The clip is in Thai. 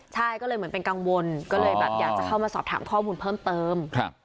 ใช่ก็เลยเหมือนเป็นกังวลก็เลยแบบอยากจะเข้ามาสอบถามข้อมูลเพิ่มเติม